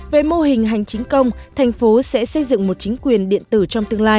về mô hình hành chính công thành phố sẽ xây dựng một chính quyền điện tử trong tương lai